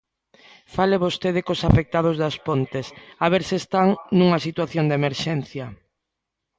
Fale vostede cos afectados das Pontes, a ver se están nunha situación de emerxencia.